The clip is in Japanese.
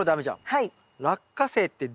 はい。